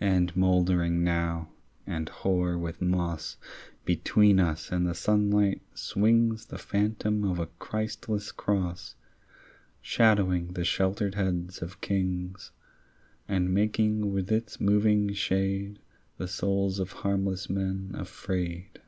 And mouldering now and hoar with moss Between us and the sunlight swings The phantom of a Christless cross Shadowing the sheltered heads of kings And making with its moving shade The souls of harmless men afraid.